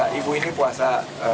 ini nanti buat buka puasa